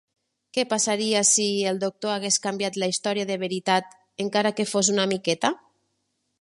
Què passaria si... el Doctor hagués canviat la història de veritat, encara que fos una miqueta?